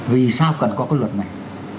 vì sao cần có cái luật này